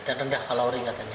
dan rendah kalori katanya